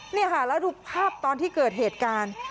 แล้วดูภาพตอนที่เกิดเหตุการณ์